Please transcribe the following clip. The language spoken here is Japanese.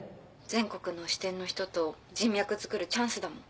全国の支店の人と人脈つくるチャンスだもん。